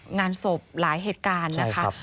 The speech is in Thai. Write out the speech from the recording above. งานศพหลายเหตุการณ์นะคะ